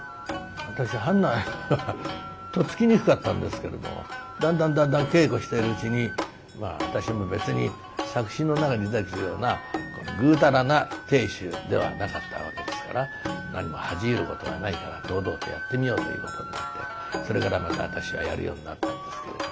私とっつきにくかったんですけれどもだんだんだんだん稽古してるうちにまあ私も別に作品の中に出てくるようなぐうたらな亭主ではなかったわけですから何も恥じ入ることはないから堂々とやってみようということでもってそれからまた私はやるようになったんですけれども。